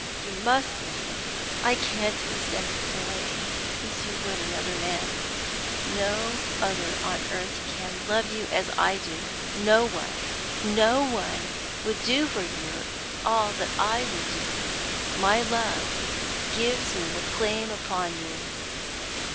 'You must listen. I can't be sent away as you would another man; no other on earth can love you as I do, no one. No one would do for you all that I would do. My love gives me a claim upon you.